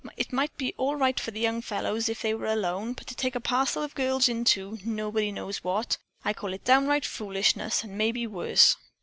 It might be all right for the young fellows if they were alone, but to take a parcel of girls into, nobody knows what, I call it downright foolishness and maybe worse.